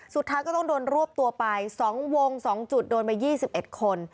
สุดท้ายก็ต้องโดนรวบตัวไป๒วง๒จุดโดนมา๒๑คน